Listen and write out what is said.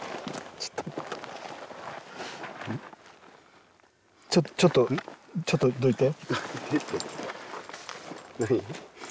ちょっとちょっとちょっとどいて。